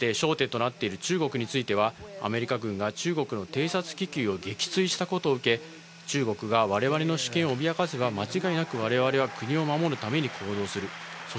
そして焦点となっている中国に対してはアメリカ軍が中国の偵察気球を撃墜したことを受け、中国は我々の主権を脅かすば、間違いなく我々は国を守るために行動する。